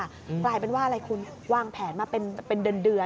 กลายเป็นว่าอะไรคุณวางแผนมาเป็นเดือน